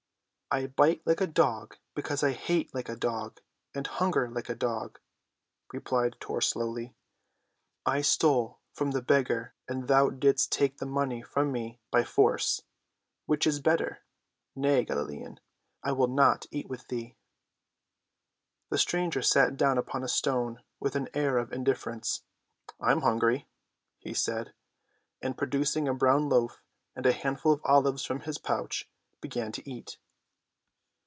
"I bite like a dog because I hate like a dog and hunger like a dog," replied Tor slowly. "I stole from the beggar, and thou didst take the money from me by force. Which is better? Nay, Galilean, I will not eat with thee." The stranger sat down upon a stone with an air of indifference. "I am hungry," he said, and, producing a brown loaf and a handful of olives from his pouch, began to eat.